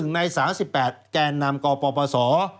๑ใน๓๘แก่นามกปศ